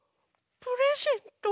プレゼント？